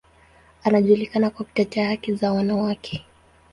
Anajulikana kwa kutetea haki za wanawake.